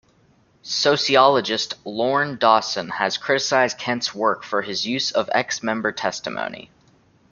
Sociologist Lorne Dawson has criticized Kent's work for his use of ex-member testimony.